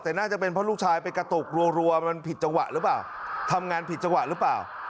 แต่น่าจะเป็นเพราะลูกชายไปกระตุกรัวมันผิดจังหวะหรือเปล่าทำงานผิดจังหวะหรือเปล่า